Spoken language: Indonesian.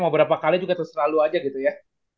mau berapa kali juga terserah lu aja gitu ya